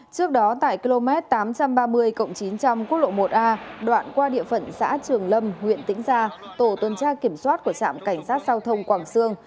trước đó tại km tám trăm ba mươi chín trăm linh quốc lộ một a đoạn qua địa phận xã trường lâm huyện tĩnh gia tổ tuần tra kiểm soát của trạm cảnh sát giao thông quảng sương